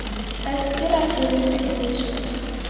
Kasikira firimbi kuche.